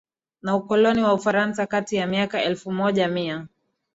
na ukoloni wa Ufaransa kati ya miaka elfu Moja Mia